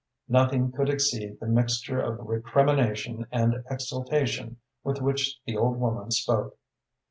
Nothing could exceed the mixture of recrimination and exultation with which the old woman spoke.